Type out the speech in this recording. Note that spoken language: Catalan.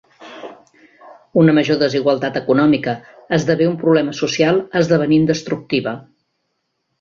Una major desigualtat econòmica esdevé un problema social, esdevenint destructiva.